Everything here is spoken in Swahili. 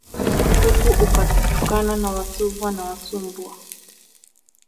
Huku utakutana na Wasumva au Wasumbwa